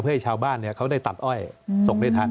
เพื่อให้ชาวบ้านเขาได้ตัดอ้อยส่งได้ทัน